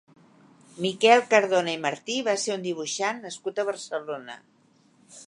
Miquel Cardona i Martí va ser un dibuixant nascut a Barcelona.